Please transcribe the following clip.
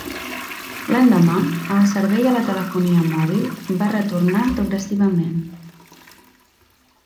L'endemà, el servei a la telefonia mòbil va retornar progressivament.